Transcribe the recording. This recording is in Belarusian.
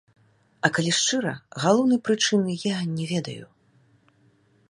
А калі шчыра, галоўнай прычыны я не ведаю.